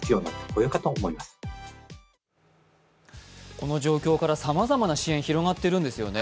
この状況からさまざまな支援広がっているんですよね。